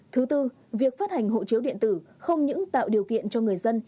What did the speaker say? thứ tư việc phát hành hộ chiếu điện tử không những tạo điều kiện cho người dân